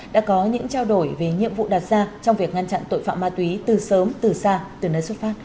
đã có những trao đổi về nhiệm vụ đặt ra trong việc ngăn chặn tội phạm ma túy từ sớm từ xa từ nơi xuất phát